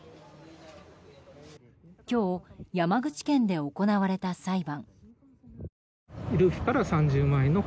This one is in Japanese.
今日、山口県で行われた裁判。